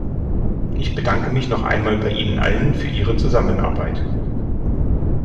Ich bedanke mich noch einmal bei Ihnen allen für Ihre Zusammenarbeit.